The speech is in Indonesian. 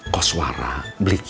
koswara beli kasian